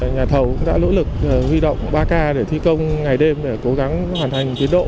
nhà thầu đã lỗ lực vi động ba k để thi công ngày đêm để cố gắng hoàn thành tuyến độ